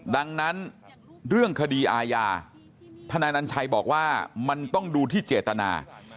ดังนั้นเรื่องคดีอาญาธนายนัญชัยบอกว่ามันต้องดูที่เจตนา